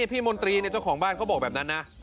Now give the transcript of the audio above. มนตรีเจ้าของบ้านเขาบอกแบบนั้นนะ